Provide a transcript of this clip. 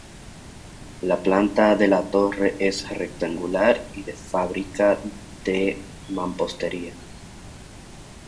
La planta de la torre es rectangular y de fábrica de mampostería.